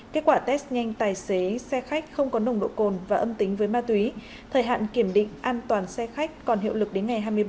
kết quả test nhanh tài xế xe khách không có nồng độ cồn và âm tính với ma túy thời hạn kiểm định an toàn xe khách còn hiệu lực đến ngày hai mươi bảy